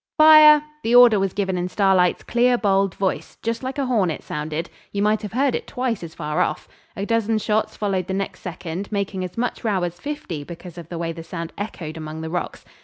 'Fire!' The order was given in Starlight's clear, bold voice. Just like a horn it sounded. You might have heard it twice as far off. A dozen shots followed the next second, making as much row as fifty because of the way the sound echoed among the rocks.